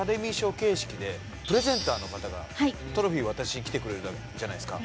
形式でプレゼンターの方がトロフィー渡しに来てくれるじゃないですか